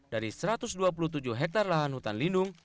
dari satu ratus dua puluh tujuh hektare lahan hutan lindung